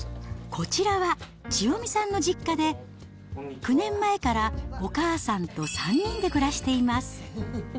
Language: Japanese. こちらは、千代美さんの実家で、９年前からお母さんと３人で暮らしています。